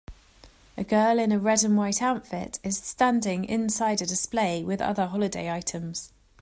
A girl in a red and white outfit is standing inside a display with other holiday items.